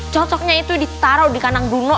cocoknya itu ditaruh di kanang duno